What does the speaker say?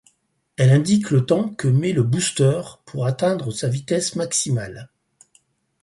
Elle indique le temps que met le booster pour atteindre sa vitesse maximale.